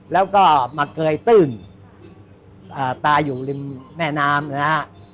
แล้วก็มาเกยตื้นตายอยู่ริมแม่น้ำนะฮะ